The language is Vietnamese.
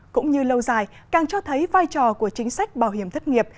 cũng như lâu dài càng cho thấy vai trò của chính sách bảo hiểm thất nghiệp